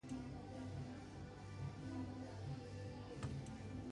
Atzerrian ere arrakasta handiko saioak emandakoa da.